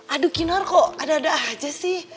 aduh kinar kok ada ada aja sih